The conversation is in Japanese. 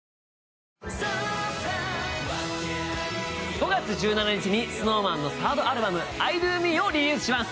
５月１７日にＳｎｏｗＭａｎのサードアルバム、「ｉＤＯＭＥ」をリリースします。